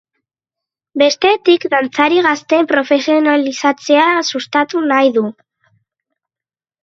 Bestetik, dantzari gazteen profesionalizatzea sustatu nahi du.